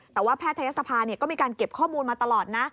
แต่ว่าแพทยศภาก็มีการเก็บข้อมูลมาตลอดนะ